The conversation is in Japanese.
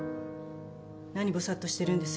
何ボサッとしてるんです。